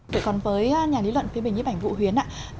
vậy còn với nhà lý luận phiên bình như bảnh vũ huyến